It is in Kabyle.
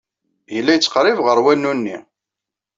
Yella yettqerrib ɣer wanu-nni.